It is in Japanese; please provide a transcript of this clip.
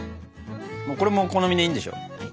これもお好みでいいんでしょ？